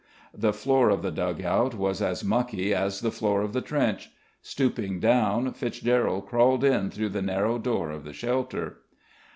The floor of the dug out was as mucky as the floor of the trench. Stooping down, Fitzgerald crawled in through the narrow door of the shelter.